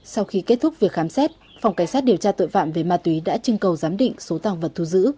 sau khi kết thúc việc khám xét phòng cảnh sát điều tra tội phạm về ma túy đã trưng cầu giám định số tàng vật thu giữ